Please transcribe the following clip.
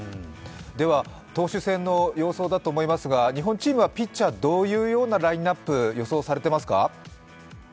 では投手戦の様相だと思いますが、日本チームはピッチャー、どういうラインナップを予想されていますか？